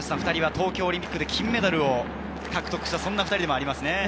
２人は東京オリンピックで金メダルを獲得した２人でもあります。